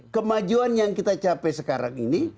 kemajuan yang kita capai sekarang ini